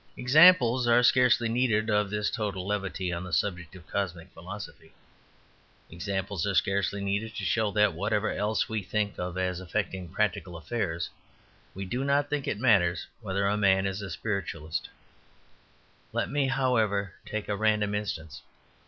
Examples are scarcely needed of this total levity on the subject of cosmic philosophy. Examples are scarcely needed to show that, whatever else we think of as affecting practical affairs, we do not think it matters whether a man is a pessimist or an optimist, a Cartesian or a Hegelian, a materialist or a spiritualist. Let me, however, take a random instance.